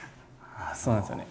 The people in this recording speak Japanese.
そうなんですよね。